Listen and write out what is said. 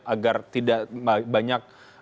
agar tidak banyak